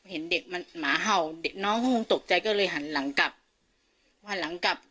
เห็นเด็กหลังหลังเชิงเด็กน้อตกใจก็เลยหันหลังกลับ